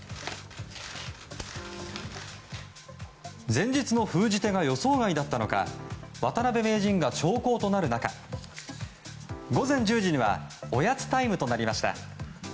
前日の封じ手が予想外だったのか渡辺名人が長考となる中午前１０時にはおやつタイムとなりました。